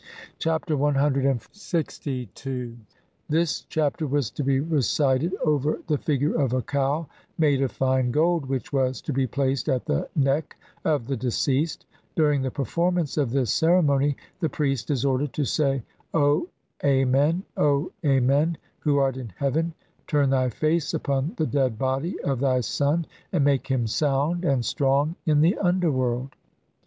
Chap. CLXII. This Chapter was to be recited over the figure of a cow made of fine gold which was to be placed at the neck of the deceased ; during the performance of this ceremony the priest is ordered to say, "O Amen, O Amen, who art in heaven, turn "thy face upon the dead body of thy son and make "him sound and strong in the underworld."